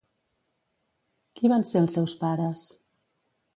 Qui van ser els seus pares?